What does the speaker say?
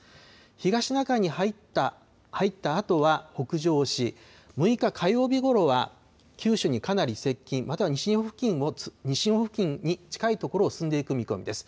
東シナ海に入ったあとは北上し、６日火曜日ごろは、九州にかなり接近、または西日本付近に近い所を進んでいく見込みです。